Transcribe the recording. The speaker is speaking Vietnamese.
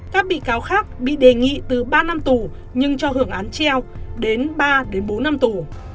các bị cáo khác bị đề nghị từ ba năm tù nhưng cho hưởng án treo đến ba bốn năm tù